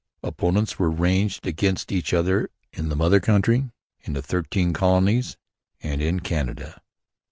Opponents were ranged against each other in the mother country, in the Thirteen Colonies, and in Canada.